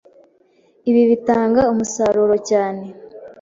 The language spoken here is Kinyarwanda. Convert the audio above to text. ibi bitanga umusaruro cyane